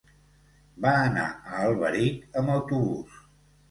Va anar a Alberic amb autobús.